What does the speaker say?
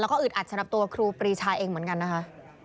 แล้วก็อึดอัดสำหรับตัวครูปรีชาเองเหมือนกันนะคะ